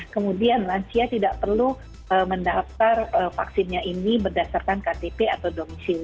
kemudian lansia tidak perlu mendaftar vaksinnya ini berdasarkan ktp atau domisi